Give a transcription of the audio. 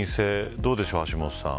どうでしょう橋下さん。